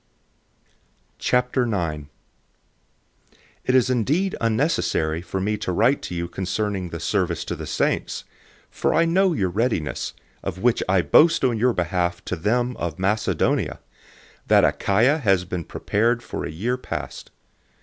009:001 It is indeed unnecessary for me to write to you concerning the service to the saints, 009:002 for I know your readiness, of which I boast on your behalf to them of Macedonia, that Achaia has been prepared for a year past.